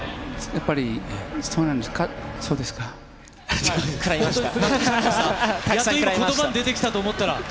やっと今、ことばに出てきたと思ったら。